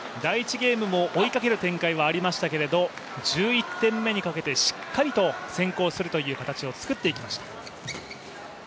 ゲームも追いかける展開はありましたけれども、１１点目にかけて、しっかりと先行するという形を作っていきました。